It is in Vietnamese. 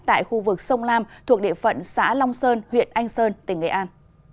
tại khu vực sông lam thuộc địa phận xã long sơn huyện anh sơn tỉnh nghệ an